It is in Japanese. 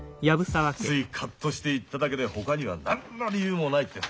ついカッとして言っただけでほかには何の理由もないってさ。